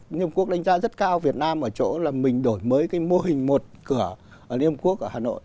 liên hiệp quốc đánh giá rất cao việt nam ở chỗ là mình đổi mới cái mô hình một cửa ở liên hiệp quốc ở hà nội